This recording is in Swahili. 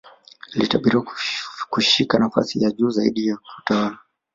alitabiriwa kushika nafasi ya juu zaidi ya kiutawala